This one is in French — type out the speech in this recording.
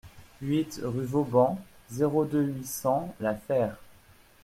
huit rue Vauban, zéro deux, huit cents, La Fère